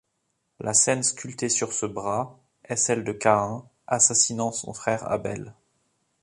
La scène sculptée sur ce bras est celle de Caïn assassinant son frère Abel.